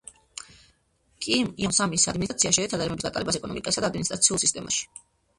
კიმ იონ სამის ადმინისტრაცია შეეცადა რეფორმების გატარებას ეკონომიკასა და ადმინისტრაციულ სისტემაში.